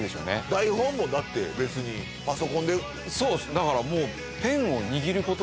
台本もだって別にパソコンでそうですだからもうペンを握ること